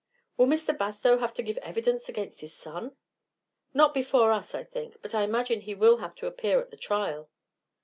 "Will Mr. Bastow have to give evidence against his son?" "Not before us, I think; but I imagine he will have to appear at the trial."